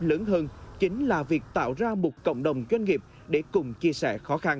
lớn hơn chính là việc tạo ra một cộng đồng doanh nghiệp để cùng chia sẻ khó khăn